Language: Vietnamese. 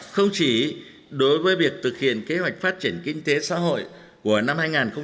không chỉ đối với việc thực hiện kế hoạch phát triển kinh tế xã hội của năm hai nghìn hai mươi